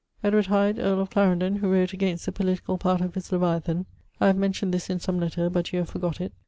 [Edward Hyde, earl of Clarendon, who wrot against the politicall part of his Leviathan: I have mentioned this in some letter, but you have forgot it.